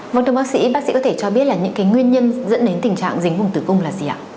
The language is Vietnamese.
vâng thưa bác sĩ bác sĩ có thể cho biết là những cái nguyên nhân dẫn đến tình trạng dính vùng tử cung là gì ạ